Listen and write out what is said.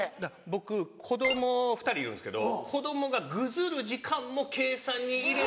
僕子供２人いるんですけど子供がぐずる時間も計算に入れて。